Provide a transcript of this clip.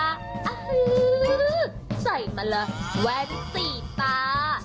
อ้าวใส่มาแล้วแว่นสี่ตา